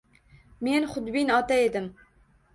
Men xudbin ota edim